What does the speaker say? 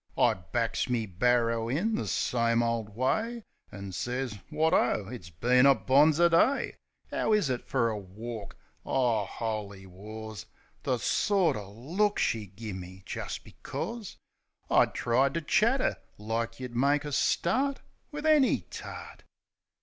I backs me barrer in— the same ole way — An' sez, "Wot O ! It's been a bonzer day. 'Ow is it f er a walk ?"... Oh, 'oly wars I The sorter look she gimme! Jest becors I tried to chat 'er, like you'd make a start Wiv any tart.